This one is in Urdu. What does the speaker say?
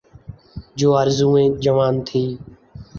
جب آرزوئیں جوان تھیں۔